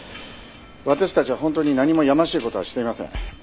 私たちはホントに何もやましいことはしていません。